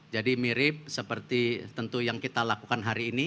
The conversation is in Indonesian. jadi mirip seperti tentu yang kita lakukan hari ini